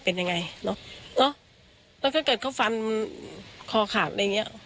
เป็นยังไงเนอะเนอะแล้วถ้าเกิดเขาฟันคอขาดอะไรอย่างเงี้ย